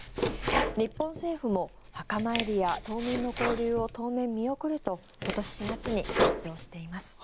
日本政府も墓参りや島民の交流を当面見送ると今年４月に発表しています。